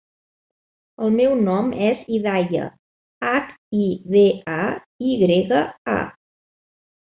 El meu nom és Hidaya: hac, i, de, a, i grega, a.